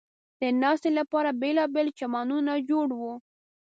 د ناستې لپاره بېلابېل چمنونه جوړ و.